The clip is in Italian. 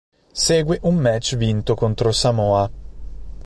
Segue un match vinto contro Samoa.